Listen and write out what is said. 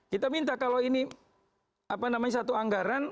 kita minta kalau ini satu anggaran